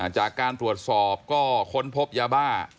จากการตรวจสอบก็ค้นพบยาบ้า